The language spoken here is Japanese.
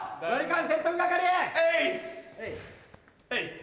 はい！